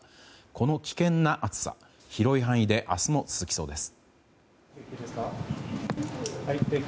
この危険な暑さ広い範囲で明日も続きそうです。